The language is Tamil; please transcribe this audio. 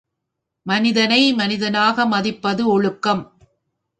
மனிதனை, மனிதனாக மதிப்பது ஒழுக்கம்.